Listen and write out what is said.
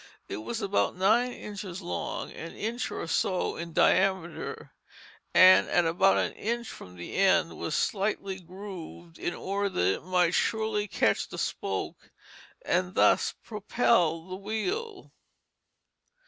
It was about nine inches long, an inch or so in diameter; and at about an inch from the end was slightly grooved in order that it might surely catch the spoke and thus propel the wheel.